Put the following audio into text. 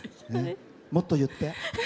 もっと言って。